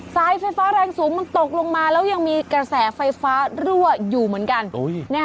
สายไฟฟ้าแรงสูงมันตกลงมาแล้วยังมีกระแสไฟฟ้ารั่วอยู่เหมือนกัน